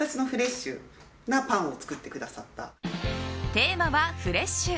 テーマはフレッシュ。